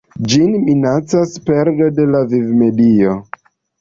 Ĝin minacas perdo de la vivmedio.